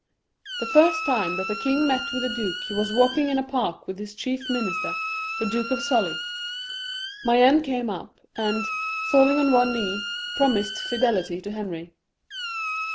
The first time that the king met with the duke, he was walking in a park with his chief minister, the Duke of Sully, Mayenne came up, and falling on one knee, pro mised fidelity to Henry.